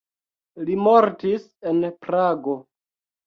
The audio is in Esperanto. Li mortis en Prago.